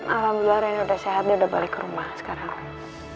alhamdulillah rena udah sehat dia udah balik ke rumah sekarang